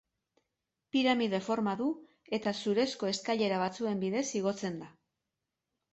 Piramide forma du eta zurezko eskailera batzuen bidez igotzen da.